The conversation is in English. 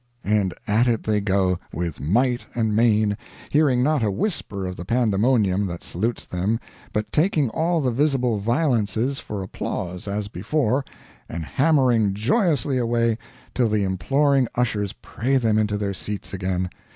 and at it they go, with might and main, hearing not a whisper of the pandemonium that salutes them, but taking all the visible violences for applause, as before, and hammering joyously away till the imploring ushers pray them into their seats again.